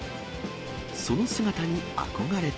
その姿に憧れて。